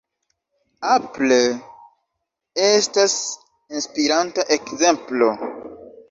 Apple estas inspiranta ekzemplo.